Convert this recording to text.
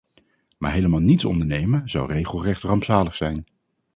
Maar helemaal niets ondernemen zou regelrecht rampzalig zijn.